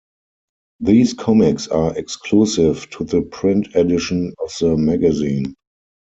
These comics are exclusive to the print edition of the magazine.